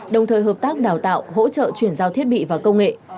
đồng thời hợp tác đào tạo hỗ trợ chuyển giao thiết bị và công nghệ